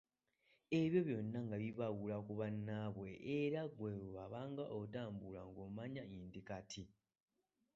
Ebyo byonna nga bibaawula ku bannaabwe, era ggwe bwe wabanga otambula ng‘omanya nti kati